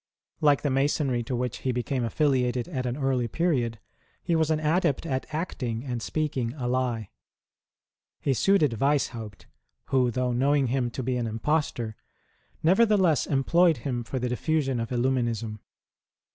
Like the Masonry to which he became affiliated at an early period, he was an adept at acting and speaking a lie. He suited Weishaupt, who, though knowing him to be an impostor, nevertheless employed him for the diffusion of Illuminism